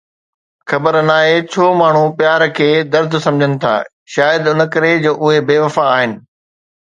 خبر ناهي ڇو ماڻهو پيار کي درد سمجهن ٿا، شايد ان ڪري جو اهي بي وفا آهن